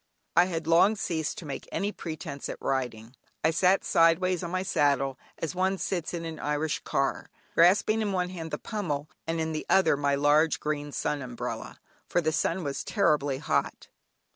I had long ceased to make any pretence at riding. I sat sideways on my saddle, as one sits in an Irish car, grasping in one hand the pummel and in the other my large green sun umbrella, for the sun was terribly hot.